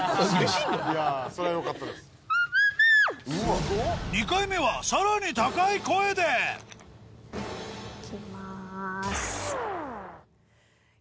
アアア２回目はさらに高い声で行きます。